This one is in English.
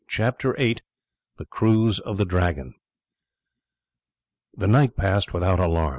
CHAPTER VIII: THE CRUISE OF THE DRAGON The night passed without alarm.